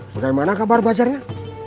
bagaimana kabar bajarnya